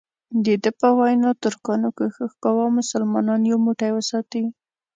دده په وینا ترکانو کوښښ کاوه مسلمانان یو موټی وساتي.